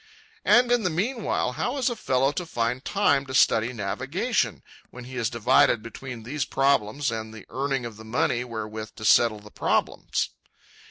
And in the meanwhile how is a fellow to find time to study navigation—when he is divided between these problems and the earning of the money wherewith to settle the problems?